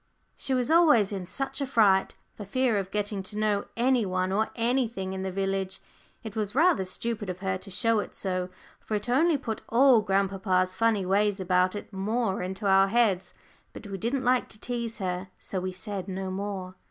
She was always in such a fright, for fear of getting to know any one or anything in the village. It was rather stupid of her to show it so, for it only put all grandpapa's funny ways about it more into our heads, but we didn't like to tease her, so we said no more.